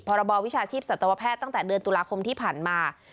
พรบวิชาชีพสัตวแพทย์ตั้งแต่เดือนตุลาคมที่ผ่านมา